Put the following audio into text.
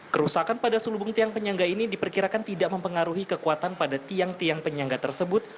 kerusakan pada selubung tiang penyangga ini diperkirakan tidak mempengaruhi kekuatan pada tiang tiang penyangga tersebut